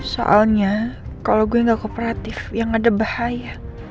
soalnya kalau gue gak kooperatif yang ada bahaya